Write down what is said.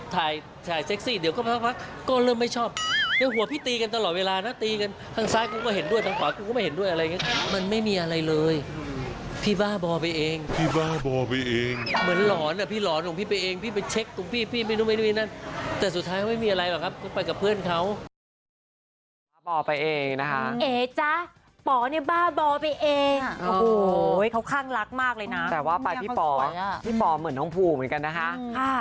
แต่สุดท้ายไม่มีอะไรหรอกครับก็ไปกับเพื่อนเขา